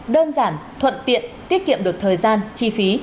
đơn giản thuận tiện tiết kiệm được thời gian chi phí